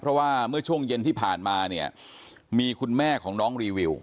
เพราะว่าเมื่อช่วงเย็นที่ผ่านมาเนี่ยมีคุณแม่ของน้องรีวิว